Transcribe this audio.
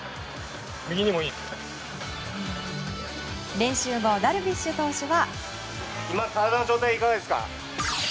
練習後ダルビッシュ投手が。